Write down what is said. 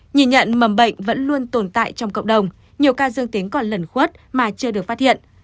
nhìn nhận mầm bệnh vẫn luôn tồn tại trong cộng đồng nhiều ca dương tính còn lẩn khuất mà chưa được phát hiện